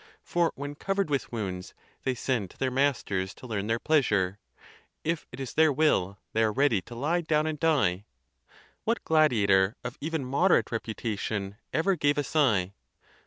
for when covered with wounds, they send to their masters to learn their pleasure: if it is their will, they are ready to lie down and die. What gladiator, of even moderate rep utation, ever gave a sigh?